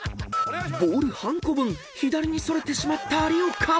［ボール半個分左にそれてしまった有岡］